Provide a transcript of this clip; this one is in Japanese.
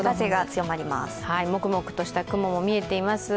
もくもくとした雲も見えています。